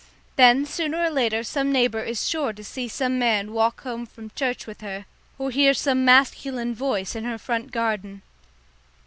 Then sooner or later some neighbour is sure to see some man walk home from church with her, or hear some masculine voice in her front garden.